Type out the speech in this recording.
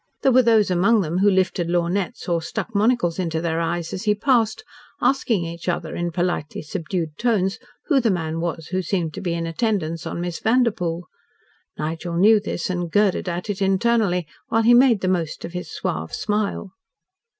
There were those among them who lifted lorgnettes or stuck monocles into their eyes as he passed, asking each other in politely subdued tones who the man was who seemed to be in attendance on Miss Vanderpoel. Nigel knew this and girded at it internally, while he made the most of his suave smile.